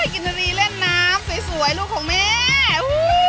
กินทรีเล่นน้ำสวยลูกของแม่